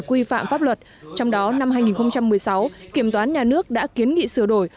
quy phạm pháp luật trong đó năm hai nghìn một mươi sáu kiểm toán nhà nước đã kiến nghị sửa đổi